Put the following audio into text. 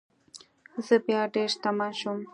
زه بیا ډیر شتمن شوم.